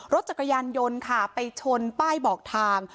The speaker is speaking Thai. รถจักรยานยนต์ค่ะไปชนป้ายบอกทาง